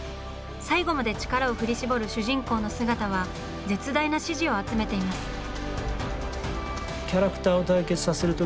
最後まで力を振り絞る主人公の姿は絶大な支持を集めています。